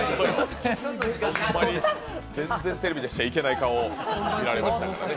ほんまに全然テレビで出しちゃいけない顔が見られましたからね。